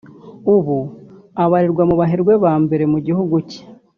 ubu abarirwa mu baherwe ba mbere mu gihugu cye